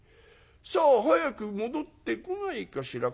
「さあ早く戻ってこないかしら」